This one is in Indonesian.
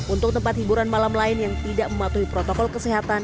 untuk tempat hiburan malam lain yang tidak mematuhi protokol kesehatan